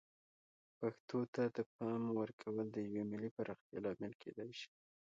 پښتو ته د پام ورکول د یوې ملي پراختیا لامل کیدای شي.